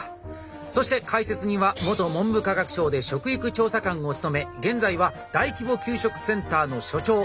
そして解説には元文部科学省で食育調査官を務め現在は大規模給食センターの所長濱田有希さんです。